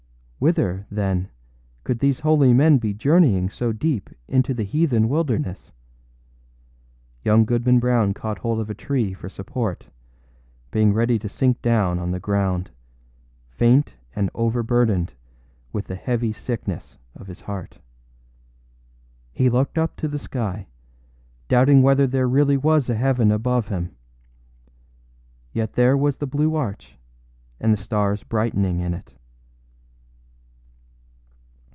Whither, then, could these holy men be journeying so deep into the heathen wilderness? Young Goodman Brown caught hold of a tree for support, being ready to sink down on the ground, faint and overburdened with the heavy sickness of his heart. He looked up to the sky, doubting whether there really was a heaven above him. Yet there was the blue arch, and the stars brightening in it.